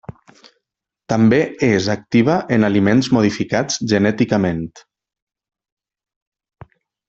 També és activa en aliments modificats genèticament.